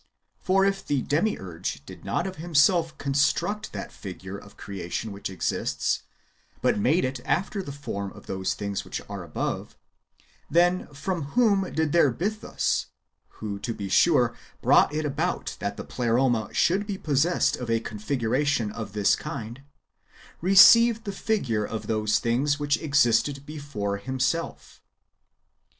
For if the Demiurge did not of himself construct that figure of creation which exists, but made it after the form of those things which are above, then from v»'hom did their Bythus — who, to be sure, brought it about that the Pleroma should be possessed of a configura tion of this kind — receive the figure of those things which existed before rlimself